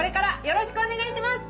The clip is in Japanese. よろしくお願いします。